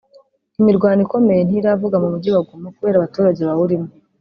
Imirwano ikomeye ntiravuga mu mujyi wa Goma kubera abaturage bawurimo